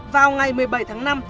vào ngày một mươi bảy tháng năm